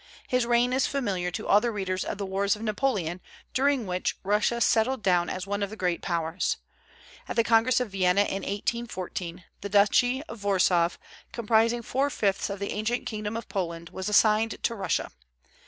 His reign is familiar to all the readers of the wars of Napoleon, during which Russia settled down as one of the great Powers. At the Congress of Vienna in 1814 the duchy of Warsaw, comprising four fifths of the ancient kingdom of Poland, was assigned to Russia.